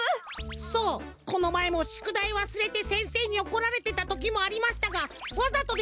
そうこのまえもしゅくだいわすれてせんせいにおこられてたときもありましたがわざとではありません。